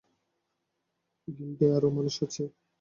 গিল্ডে আরো মানুষ আছে?